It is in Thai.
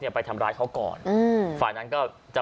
พี่บ้านไม่อยู่ว่าพี่คิดดูด